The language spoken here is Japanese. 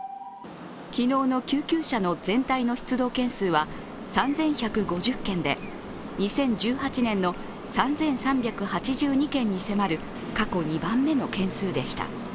昨日の救急車の全体の出動件数は３１５０件で２０１８年の３３８２件に迫る過去２番目の件数でした。